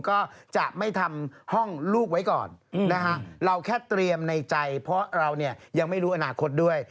ก็จะไม่ทำห้องลูกไว้ก่อนนะฮะเราแค่เตรียมในใจเพราะเราเนี่ยยังไม่รู้อนาคตด้วย